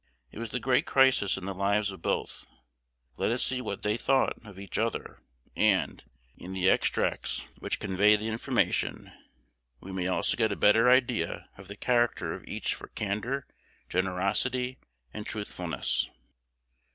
It was the great crisis in the lives of both. Let us see what they thought of each other; and, in the extracts which convey the information, we may also get a better idea of the character of each for candor, generosity, and truthfulness.